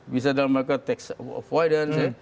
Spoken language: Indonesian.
bisa dalam mereka tax avoidance ya